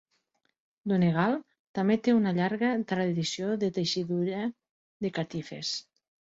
Donegal també té una llarga tradició de teixidura de catifes.